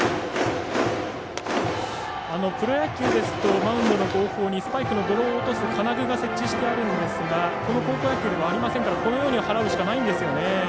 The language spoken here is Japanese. プロ野球ですとマウンドの後方にスパイクの泥を落とす金具が設置されていますがこの高校野球ではありませんからこのように払うしかないんですよね。